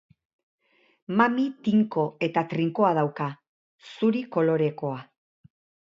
Mami tinko eta trinkoa dauka, zuri kolorekoa.